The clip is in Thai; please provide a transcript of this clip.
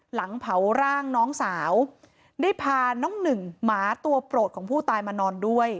หลังเผาร่างน้องสาวได้พาน้องหนึ่งหมาตัวโปรดของผู้ตายมานอนด้วย